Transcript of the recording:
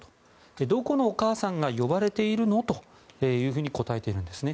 どこのお母さんが呼ばれているの？というふうに答えているんですね。